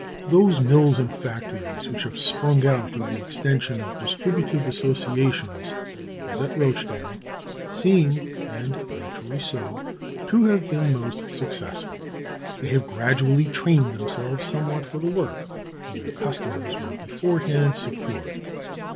Those mills and factories which have sprung out of the extension of distributive associations, as at Rochdale, seem, and naturally so, to have been most successful. They have gradually trained themselves somewhat for the work, and their customers were beforehand secured.